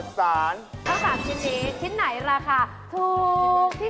การเนเจอร์ชิ้นนี้ราคาอยู่ที่